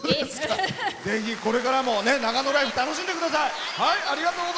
ぜひ、これからも長野ライフ楽しんでください。